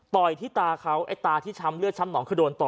ต่อยที่ตาเขาไอ้ตาที่ช้ำเลือดช้ำหนองคือโดนต่อ